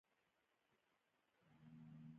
جګړه د مرګ جشن دی